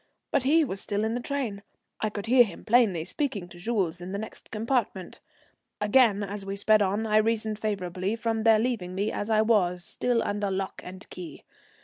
But he was still in the train, I could hear him plainly, speaking to Jules in the next compartment. Again, as we sped on, I reasoned favourably from their leaving me as I was, still under lock and key.